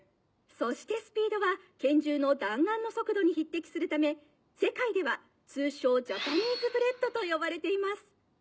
そしてスピードは拳銃の弾丸の速度に匹敵するため世界では通称ジャパニーズブレットと呼ばれています。